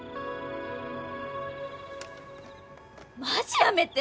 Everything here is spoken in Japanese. マジやめて。